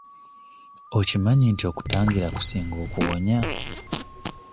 Okimanyi nti okutangira kusinga okuwonya?